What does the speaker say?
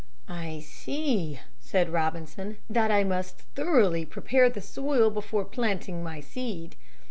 "I see," said Robinson, "that I must thoroughly prepare the soil before planting my seed."